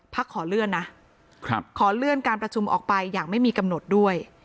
ขอเลื่อนนะขอเลื่อนการประชุมออกไปอย่างไม่มีกำหนดด้วย